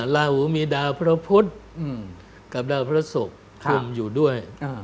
ลาหูมีดาวพระพุทธกับดาวพระศุกร์คุมอยู่ด้วย